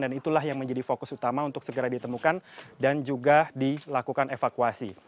dan itulah yang menjadi fokus utama untuk segera ditemukan dan juga dilakukan evakuasi